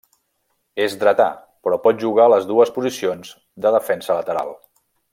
És dretà, però pot jugar a les dues posicions de defensa lateral.